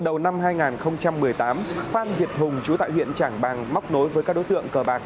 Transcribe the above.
đầu năm hai nghìn một mươi tám phan việt hùng chú tại huyện trảng bàng móc nối với các đối tượng cờ bạc